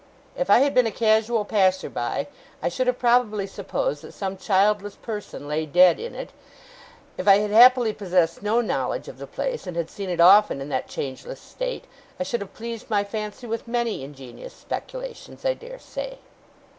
If I had been a casual passer by, I should have probably supposed that some childless person lay dead in it. If I had happily possessed no knowledge of the place, and had seen it often in that changeless state, I should have pleased my fancy with many ingenious speculations, I dare say.